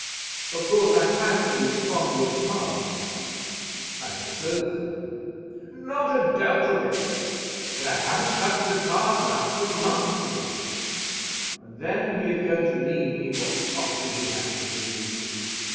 Of course I have been fond of cards." "I suppose so." "Not a doubt of it. But I haven't touched a card now for a month nearly. And then he is going to leave me what property he has to leave.